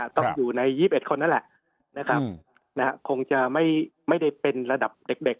ต้องอยู่ในยีบเอ็ดคนนั่นแหละนะครับนะฮะคงจะไม่ไม่ได้เป็นระดับเด็กเด็ก